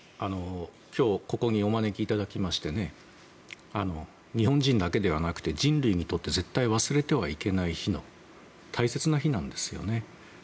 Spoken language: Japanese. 今日ここにお招きいただきまして日本人だけではなくて人類にとって絶対忘れてはいけない大切な日なんですよね。